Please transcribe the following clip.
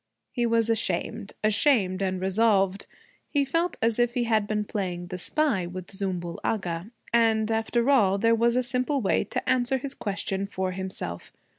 He was ashamed ashamed and resolved. He felt as if he had been playing the spy with Zümbül Agha. And after all, there was a simple way to answer his question for himself.